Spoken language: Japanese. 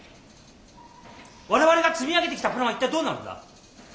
我々が積み上げてきたプランは一体どうなるんだ？